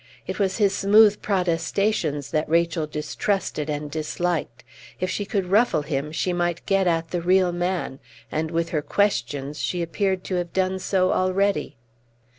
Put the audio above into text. It was his smooth protestations that Rachel distrusted and disliked. If she could ruffle him, she might get at the real man; and with her questions she appeared to have done so already.